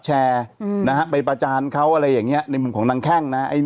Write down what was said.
นะฮะไปประจานเขาอะไรอย่างนี้ในมุมของนางแข้งนะ